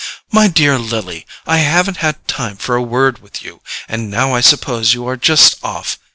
"My dear Lily, I haven't had time for a word with you, and now I suppose you are just off.